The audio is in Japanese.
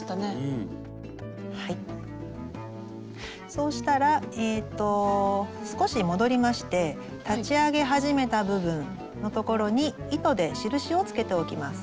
そうしたら少し戻りまして立ち上げ始めた部分のところに糸で印をつけておきます。